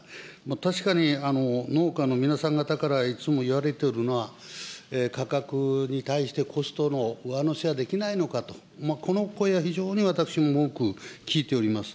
確かに農家の皆さん方から、いつも言われておるのは、価格に対して、コストの上乗せはできないのかと、この声は、私も非常に多く聞いております。